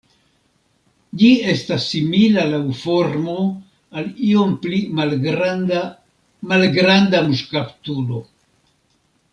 Ĝi estas simila laŭ formo al iom pli malgranda Malgranda muŝkaptulo.